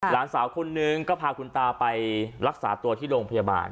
หลานสาวคนนึงก็พาคุณตาไปรักษาตัวที่โรงพยาบาล